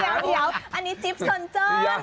เดี๋ยวอันนี้จิปสนเจ้ง